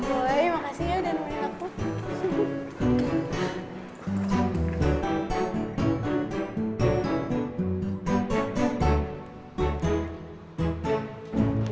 boy makasih ya udah nemenin aku